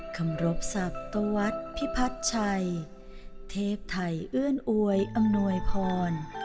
คำรบศัพท์ตวรรษภิพัฒน์ชัยเทพไถเอื้อนอวยอำนวยพร